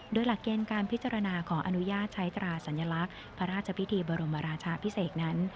โดยหลักเกณฑ์การพิจารณาขออนุญาตใช้ตราสัญลักษณ์พระราชพิธีบรมราชาพิเศษนั้น